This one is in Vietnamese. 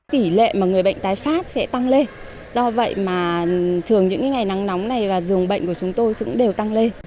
tỷ lệ mà người bệnh tái phát sẽ tăng lên do vậy mà thường những ngày nắng nóng này và dường bệnh của chúng tôi cũng đều tăng lên